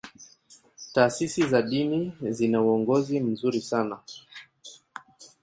taasisi za dini zina uongozi mzuri sana